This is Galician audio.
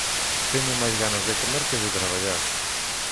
Teño máis ganas de comer que de traballar.